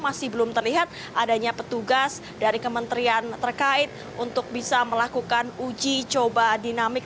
masih belum terlihat adanya petugas dari kementerian terkait untuk bisa melakukan uji coba dinamik